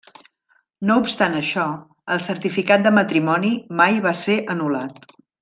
No obstant això, el certificat de matrimoni mai va ser anul·lat.